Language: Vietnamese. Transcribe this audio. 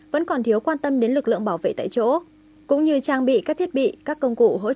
vẫn còn thiếu quan tâm đến lực lượng bảo vệ tại chỗ